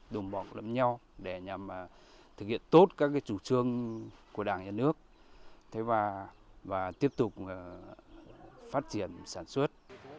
đùm bọc lắm nhau để nhằm thực hiện tốt các cái chủ trương của đảng và nước và tiếp tục phát triển sản xuất